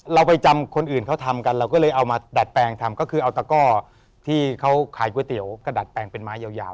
เราไปจำคนอื่นเขาทำกันเราก็เลยเอามาดัดแปลงทำก็คือเอาตะก้อที่เขาขายก๋วยเตี๋ยวกระดัดแปลงเป็นไม้ยาว